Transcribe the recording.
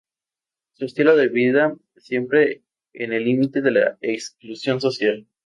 Su estilo de vida, siempre en el límite de la exclusión social.